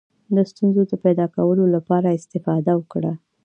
د ستونزو د پیدا کولو لپاره استفاده وکړه.